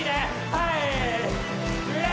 はい！